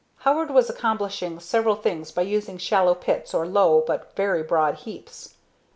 Howard was accomplishing several things by using shallow pits or low but very broad heaps.